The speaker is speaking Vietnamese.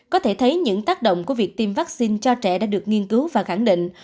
có thể thấy những tác động của việc tiêm vaccine cho trẻ đã được nghiên cứu và khẳng định